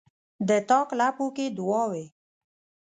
د تاک لپو کښې دعاوې،